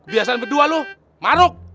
biasa berdua lu maluk